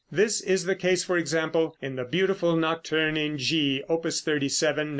This is the case, for example, in the beautiful nocturne in G, Opus 37, No.